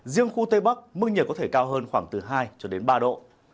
riêng khu tây bắc mức nhiệt có thể cao hơn khoảng từ hai cho đến ba độ